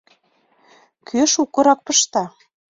— Кӧ шукырак пышта?